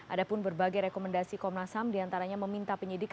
ada pun berbagai rekomendasi komnas ham diantaranya meminta penyidik